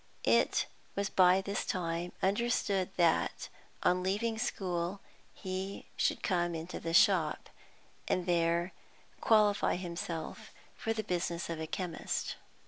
It was by this time understood that, on leaving school, he should come into the shop, and there qualify himself for the business of a chemist.